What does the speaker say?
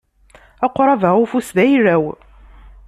Aqrab-a ufus d ayla-w.